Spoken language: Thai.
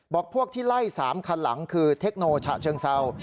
พวกที่ไล่๓คันหลังคือเทคโนฉะเชิงเศร้า